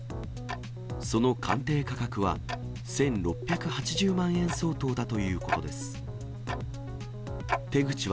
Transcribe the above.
その鑑定価格は１６８０万円相当だということです。